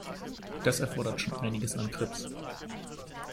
Das erfordert schon einiges an Grips.